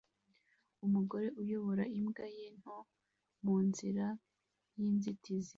Umugore uyobora imbwa ye nto mu nzira y'inzitizi